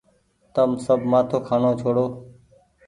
تم سب مآٿو کآڻو ڇوڙو۔